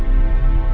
ya udah deh